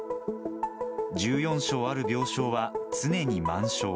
１４床ある病床は常に満床。